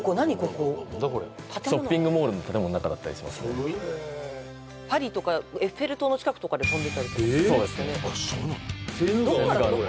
ここショッピングモールの建物の中だったりしますねパリとかエッフェル塔の近くとかで飛んでたりとかそうですねどっから？